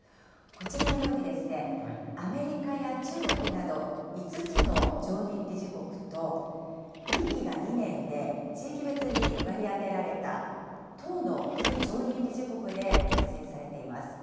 こちらのように、アメリカや中国など、５つの常任理事国と、任期が２年で、地域別に割り当てられた１０の非常任理事国で構成されています。